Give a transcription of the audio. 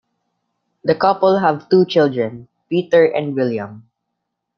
The couple have two children, Peter and William.